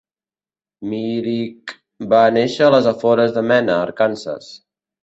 Myrick va néixer a les afores de Mena, Arkansas.